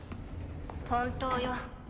本当よ。